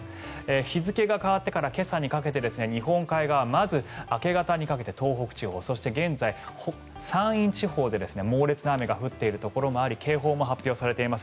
日付が変わってから今朝にかけて日本海側まず、明け方にかけて東北地方そして現在、山陰地方で猛烈な雨が降っているところもあり警報も発表されています。